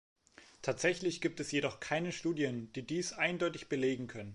Tatsächlich gibt es jedoch keine Studien, die dies eindeutig belegen können.